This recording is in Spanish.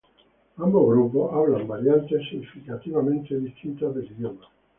Ambos grupos hablan variantes significativamente distintas del idioma.